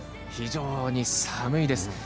非常に寒いです。